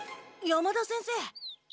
山田先生！